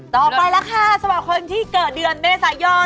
ต่อไปแล้วค่ะสำหรับคนที่เกิดเดือนเมษายน